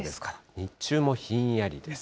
日中もひんやりです。